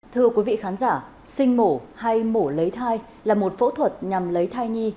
thưa quý vị khán giả sinh mổ hay mổ lấy thai là một phẫu thuật nhằm lấy thai nhi